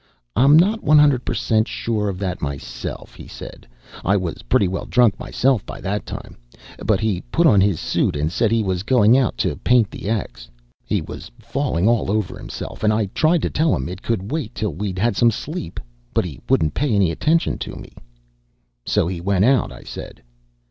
"I'm not one hundred per cent sure of that myself," he said. "I was pretty well drunk myself by that time. But he put on his suit and said he was going out to paint the X. He was falling all over himself, and I tried to tell him it could wait till we'd had some sleep, but he wouldn't pay any attention to me." "So he went out," I said.